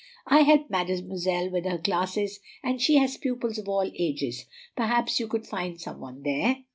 "I help Mademoiselle with her classes, and she has pupils of all ages; perhaps you could find some one there."